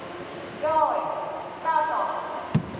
よいスタート。